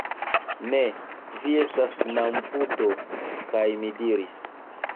Ne, vi estas namputo! kaj mi diris: